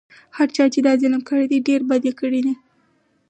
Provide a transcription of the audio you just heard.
هر چا چې دا ظلم کړی ډېر بد یې کړي دي.